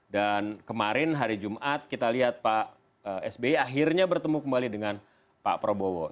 kemarin hari jumat kita lihat pak sby akhirnya bertemu kembali dengan pak prabowo